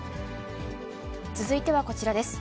続いてはこちらです。